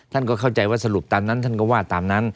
ท่านก็เข้าใจว่าสรุปตามนั้นท่านก็ว่าตามนั้น